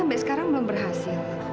sampai sekarang belum berhasil